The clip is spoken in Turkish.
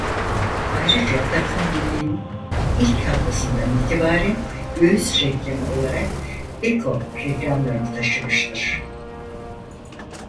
Ayrıca takım ligin ilk haftasından itibaren göğüs reklamı olarak Beko reklamlarını taşımıştır.